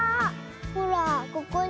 ほらここに。